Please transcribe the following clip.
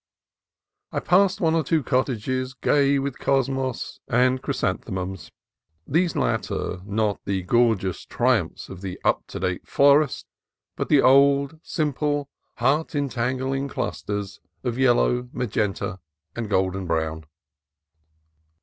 I passed one or two cot tages gay with cosmos and chrysanthemums, these latter not the gorgeous triumphs of the up to date A PLACE OF GLOOM, GUALALA 267 florist, but the old, simple, heart entangling clusters of yellow, magenta, and golden brown.